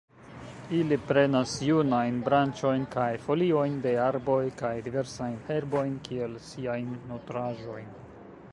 Ili prenas junajn branĉojn kaj foliojn de arboj kaj diversajn herbojn kiel siajn nutraĵojn.